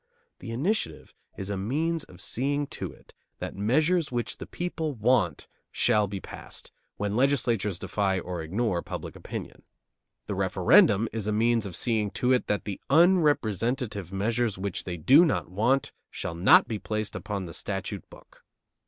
The initiative is a means of seeing to it that measures which the people want shall be passed, when legislatures defy or ignore public opinion. The referendum is a means of seeing to it that the unrepresentative measures which they do not want shall not be placed upon the statute book.